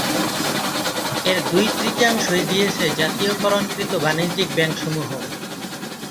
এর দুই-তৃতীয়াংশই দিয়েছে জাতীয়করণকৃত বাণিজ্যিক ব্যাংকসমূহ।